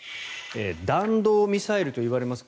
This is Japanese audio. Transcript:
弾道ミサイルといわれます